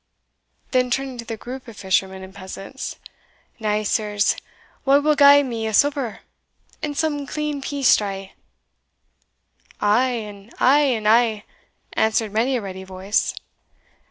Then turning to the group of fishermen and peasants "Now, sirs, wha will gie me a supper and some clean pease strae?" "I," "and I," "and I," answered many a ready voice.